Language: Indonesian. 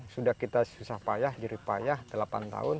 sudah kita susah payah jadi payah delapan tahun